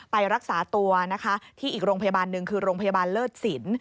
ไปรักษาตัวนะคะที่อีกโรงพยาบาลหนึ่งคือโรงพยาบาลเลิศสิน